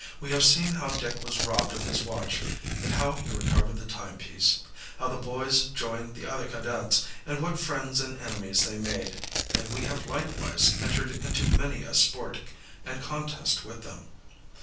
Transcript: We have seen how Dick was robbed of his watch and how he recovered the timepiece; how the boys joined the other cadets, and what friends and enemies they made; and we have likewise entered into many a sport and contest with them.